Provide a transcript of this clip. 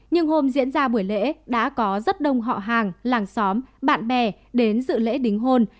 nhưng hôm diễn ra buổi lễ đã có rất đông họ hàng làng xóm bạn bè đến dự lễ đính hôn